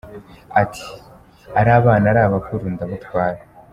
Ati “Ari abana ari abakuru ndabatwara.